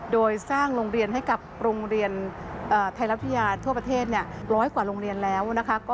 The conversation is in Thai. โดยสร้างโรงเรียนให้กับโรงเรียนไทยรัฐวิทยาทั่วประเทศร้อยกว่าโรงเรียนแล้วนะคะ